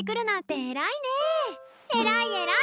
えらいえらい！